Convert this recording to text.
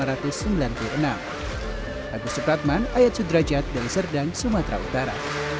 agustus pratman ayat sudrajat dari serdang sumatera utara